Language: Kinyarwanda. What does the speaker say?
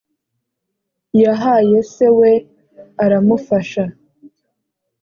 yahaye se we aramufasha